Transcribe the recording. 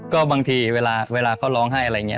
ก็บางทีเวลาเขาร้องไห้อะไรอย่างนี้